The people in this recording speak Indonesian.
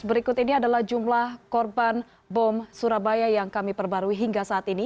berikut ini adalah jumlah korban bom surabaya yang kami perbarui hingga saat ini